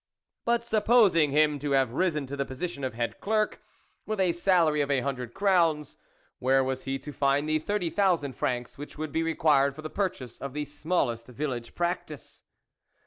But supposing him to have risen to the position of head clerk with a salary of a hundred crowns, where was he to find the thirty thousand francs which would be required for the purchase of the small est village practice.